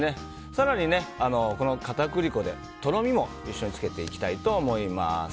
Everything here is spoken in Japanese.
更に片栗粉で、とろみも一緒につけていきたいと思います。